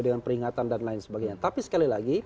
dengan peringatan dan lain sebagainya tapi sekali lagi